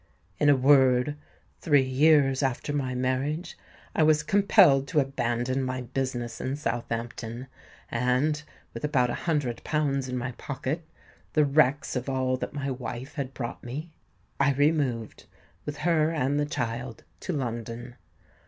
In a word, three years after my marriage, I was compelled to abandon my business in Southampton; and, with about a hundred pounds in my pocket—the wrecks of all that my wife had brought me—I removed, with her and the child, to London.